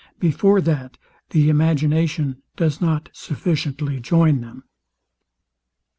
Before that, the imagination does not sufficiently join them.